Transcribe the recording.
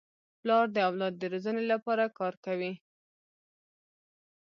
پلار د اولاد د روزني لپاره کار کوي.